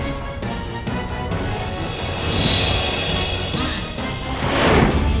apa yang terjadi